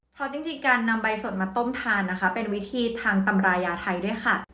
เพราะจริงการนำใบสดมาต้มทานนะคะเป็นวิธีทางตำรายาไทยด้วยค่ะ